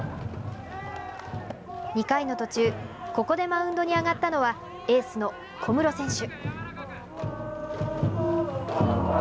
２回の途中、ここでマウンドに上がったのはエースの小室選手。